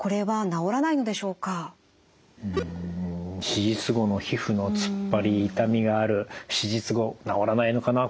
手術後の皮膚のつっぱり痛みがある手術後治らないのかな